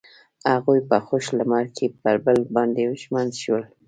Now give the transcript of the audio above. هغوی په خوښ لمر کې پر بل باندې ژمن شول.